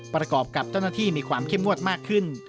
ประกอบกับเจ้าหน้าที่มีความเข้มงวดมากขึ้น